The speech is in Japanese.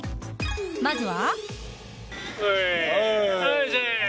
まずは。